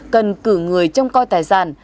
cần cử người trông coi tài sản